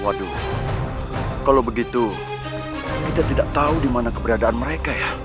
waduh kalau begitu kita tidak tahu di mana keberadaan mereka ya